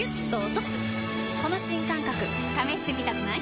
この新感覚試してみたくない？